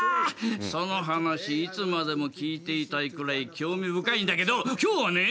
その話いつまでも聞いていたいくらい興味深いんだけど今日はね